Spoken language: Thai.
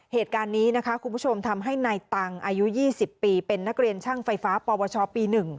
เหตุการณ์นี้นะคะคุณผู้ชมทำให้นายตังค์อายุ๒๐ปีเป็นนักเรียนช่างไฟฟ้าปวชปี๑